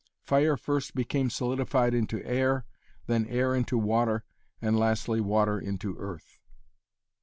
Fire first became solidified into air, then air into water and lastly water into earth.